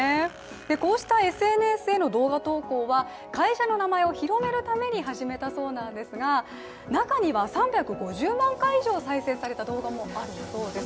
こうしたＳＮＳへの動画投稿は会社の名前を広めるために始めたらしいんですが、中には３５０万回以上再生された動画もあるそうです。